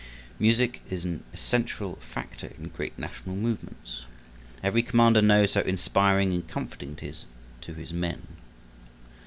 Music is an essential factor in great national movements. Every commander knows how inspiring and comforting it is to his men.